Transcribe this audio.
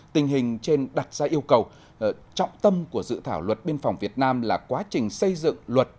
tình hình trên đặt ra yêu cầu trọng tâm của dự thảo luật biên phòng việt nam là quá trình xây dựng luật